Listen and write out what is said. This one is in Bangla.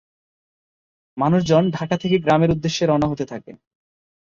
মানুষজন ঢাকা থেকে গ্রামের উদ্দেশ্যে রওনা হতে থাকে।